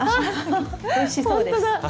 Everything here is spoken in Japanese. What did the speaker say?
ふふふおいしそうです。